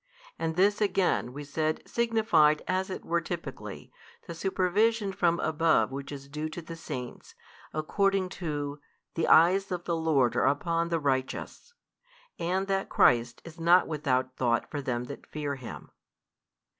And this again we said signified as it were typically, the supervision from above which is due to the Saints according to, The eyes of the Lord are upon the righteous, and that Christ is not without thought for them that fear Him.